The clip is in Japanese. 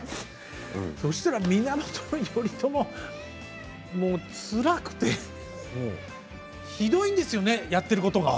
そうしたら源頼朝、つらくてひどいんですよねやっていることが。